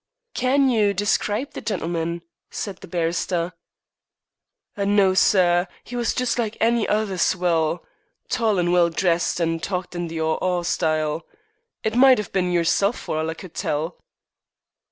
"Can you describe the gentleman?" said the barrister. "No, sir. He was just like any other swell. Tall and well dressed, and talked in the 'aw 'aw style. It might ha' been yerself for all I could tell."